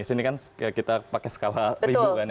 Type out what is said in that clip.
di sini kan kita pakai skala ribu kan ya